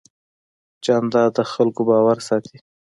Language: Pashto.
جانداد د خلکو باور ساتي.